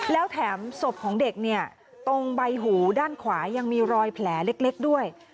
แล้วแถมศพของเด็กเนี่ยตรงใบหูด้านขวายังมีรอยแผลเล็กด้วย